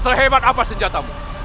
sehebat apa senjatamu